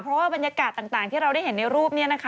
เพราะว่าบรรยากาศต่างที่เราได้เห็นในรูปนี้นะคะ